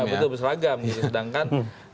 ya betul berseragam sedangkan